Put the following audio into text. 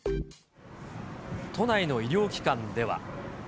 都内の医療機関では。